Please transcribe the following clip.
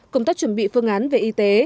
công tác chuẩn bị phương án về y tế